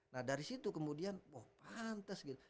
nah dari situ kemudian wah pantas gitu